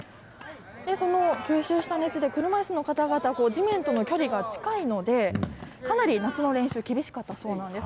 その吸収した熱で車いすの方々、地面との距離が近いので、かなり夏の練習、厳しかったそうなんです。